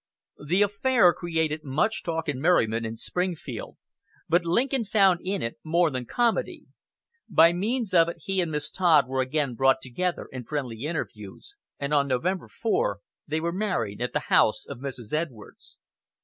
The affair created much talk and merriment in Springfield, but Lincoln found in it more than comedy. By means of it he and Miss Todd were again brought together in friendly interviews, and on November 4, they were married at the house of Mr. Edwards.